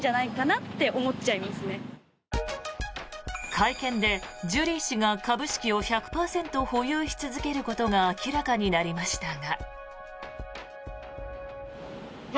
会見でジュリー氏が株式を１００％保有し続けることが明らかになりましたが。